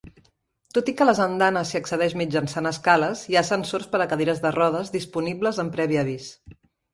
Tot i que a les andanes s'hi accedeix mitjançant escales, hi ha ascensors per a cadires de rodes disponibles amb previ avís.